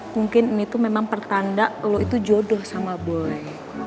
mungkin ini tuh memang pertanda lo itu jodoh sama boy